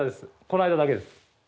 この間だけです。